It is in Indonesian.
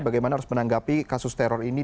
bagaimana harus menanggapi kasus teror ini